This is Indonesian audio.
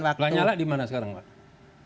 pak lanyala di mana sekarang pak